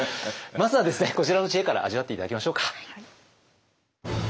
まずはですねこちらの知恵から味わって頂きましょうか。